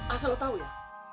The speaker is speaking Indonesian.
asal lo tau ya